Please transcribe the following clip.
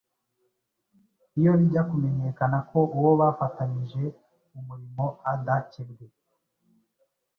Iyo bijya kumenyekana ko uwo bafatanyije umurimo adakebwe,